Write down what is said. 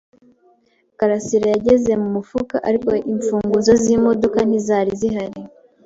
karasira yageze mu mufuka, ariko imfunguzo z’imodoka ntizari zihari.